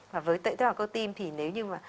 và với tế bào cơ tim thì nếu như là